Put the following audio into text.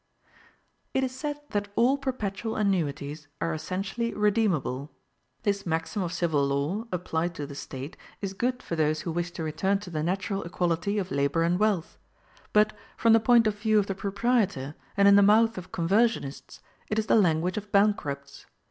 It is said that all perpetual annuities are essentially redeemable. This maxim of civil law, applied to the State, is good for those who wish to return to the natural equality of labor and wealth; but, from the point of view of the proprietor, and in the mouth of conversionists, it is the language of bankrupts.